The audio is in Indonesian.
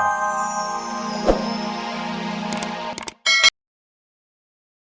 aku masih di luar